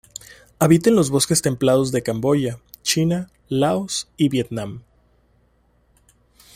Habita en bosques templados de Camboya, China, Laos y Vietnam.